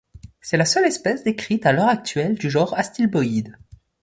C'est la seule espèce décrite à l'heure actuelle du genre Astilboides.